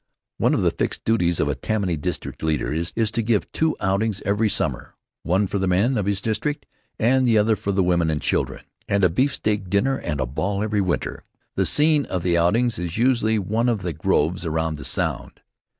One of the fixed duties of a Tammany district leader is to give two outings every summer, one for the men of his district and the other for the women and children, and a beefsteak dinner and a ball every winter. The scene of the outings is, usually, one of the groves along the Sound.